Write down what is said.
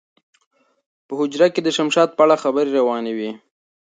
په حجره کې د شمشاد په اړه خبرې روانې وې.